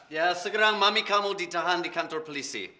ya segera mami kamu ditahan di kantor polisi